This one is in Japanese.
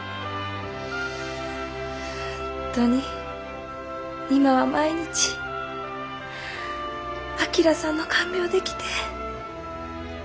本当に今は毎日旭さんの看病できて。